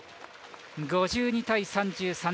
５２対３３。